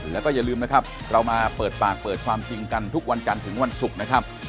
แล้วก็อย่าลืมนะครับเรามาเปิดปากเปิดความจริงกันทุกวันจันทร์ถึงวันศุกร์นะครับ